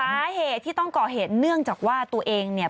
สาเหตุที่ต้องก่อเหตุเนื่องจากว่าตัวเองเนี่ย